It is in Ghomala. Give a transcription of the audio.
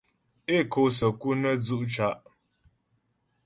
É kǒ səku nə́ dzʉ' ca'.